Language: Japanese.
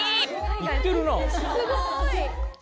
行ってるなあ。